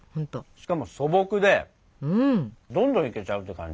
しかも素朴でどんどんいけちゃうって感じ。